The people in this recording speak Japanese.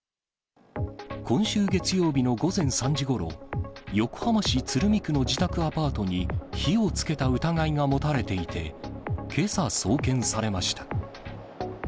今週月曜日の午前３時ごろ、横浜市鶴見区の自宅アパートに火をつけた疑いが持たれていて、けさ、送検されました。